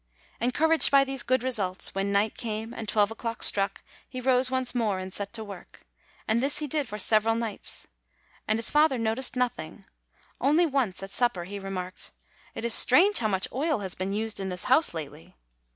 '* Encouraged by these good results, when night came and twelve o'clock struck, he rose once more, and set to work. And this he did for several nights. And his father noticed nothing; only once, at supper, he remarked, "It is strange how much oil has been used in this house lately!"